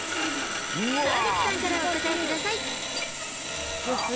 川口さんからお答えください。